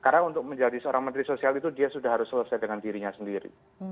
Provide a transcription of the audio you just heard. karena untuk menjadi seorang menteri sosial itu dia sudah harus selesai dengan dirinya sendiri